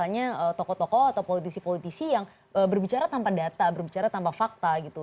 misalnya tokoh tokoh atau politisi politisi yang berbicara tanpa data berbicara tanpa fakta gitu